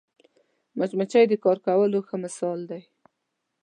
مچمچۍ د کار کولو ښه مثال دی